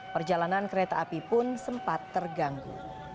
perjalanan kereta api pun sempat terganggu